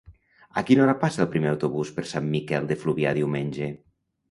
A quina hora passa el primer autobús per Sant Miquel de Fluvià diumenge?